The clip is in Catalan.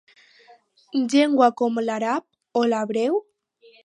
Llengua com l'àrab o l'hebreu.